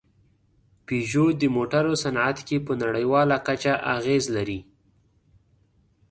پيژو د موټرو صنعت کې په نړۍواله کچه اغېز لري.